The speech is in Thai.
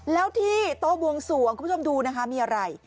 แล้วที่โต๊ะบวงสวงคุณผู้ชมดูนะคะมีอะไร